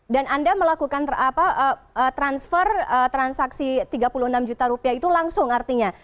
dan anda melakukan transfer transaksi tiga puluh enam juta rupiah itu langsung artinya